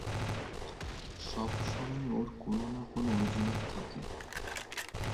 সবসময় ওর কোনো না কোনো অজুহাত থাকে।